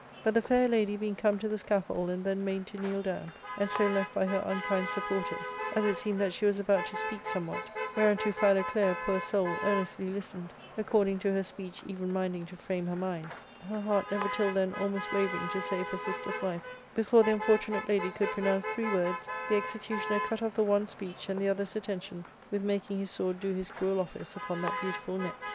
But the fair lady being come to the scaffold, and then made to kneel down, and so left by her unkind supporters, as it seemed that she was about to speak somewhat, whereunto Philoclea, poor soul, earnestly listened, according to her speech even minding to frame her mind, her heart never till then almost wavering to save her sister's life, before the unfortunate lady could pronounce three words, the executioner cut off the one's speech and the other's at tention with making his sword do his cruel office upon that beautiful neck.